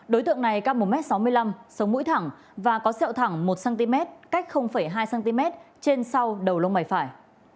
đối tượng này cao một m sáu mươi năm sống mũi thẳng và có sẹo thẳng một cm cách hai cm trên sau đầu lông mày phải